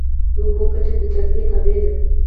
د اوبو کچه د جاذبې تابع ده.